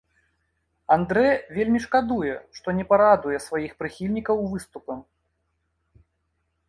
Андрэ вельмі шкадуе, што не парадуе сваіх прыхільнікаў выступам.